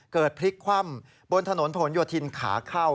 พลิกคว่ำบนถนนผลโยธินขาเข้า